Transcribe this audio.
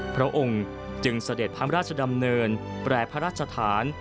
พระองค์จึงเสด็จพระราชดำเนินแปรพระราชฐาน